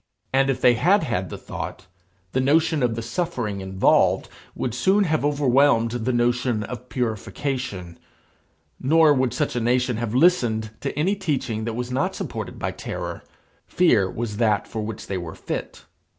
And if they had had the thought, the notion of the suffering involved would soon have overwhelmed the notion of purification. Nor would such a nation have listened to any teaching that was not supported by terror. Fear was that for which they were fit.